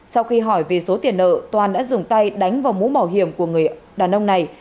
sau khi hỏi về số tiền nợ toàn đã dùng tay đánh vào mũ bảo hiểm của người đàn ông này